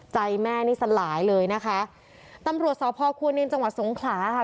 ใจแม่นี่สลายเลยนะคะตำรวจสพควรินจังหวัดสงขลาค่ะ